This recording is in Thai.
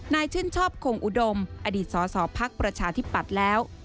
นายชื่นชอบคงอุดมอดีตสอพักประชาที่ปัดแล้ว